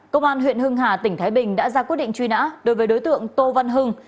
công an huyện hưng hà tỉnh thái bình đã ra quyết định truy nã đối với đối tượng tô văn hưng